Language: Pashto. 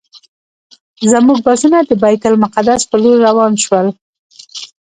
زموږ بسونه د بیت المقدس پر لور روان شول.